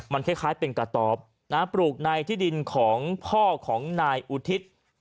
มันคล้ายเป็นกระต๊อบปลูกในที่ดินของพ่อของนายอุทิศ